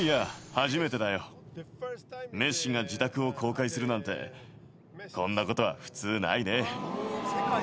初めてだよメッシが自宅を公開するなんてこんなことは普通ないね